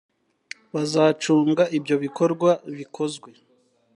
bazacunga ibyo bikorwa bikozwe